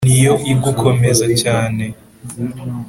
niyo igukomeza cyane